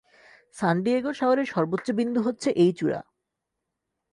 সান Diego শহরের সর্বোচ্চ বিন্দু হচ্ছে এই চূড়া।